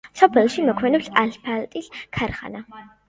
სოფელში მოქმედებს ასფალტის ქარხანა.